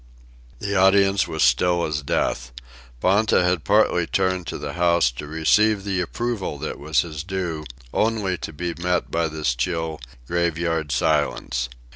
The audience was still as death. Ponta had partly turned to the house to receive the approval that was his due, only to be met by this chill, graveyard silence.